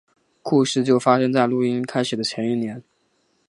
故事就发生在录音开始的前一年。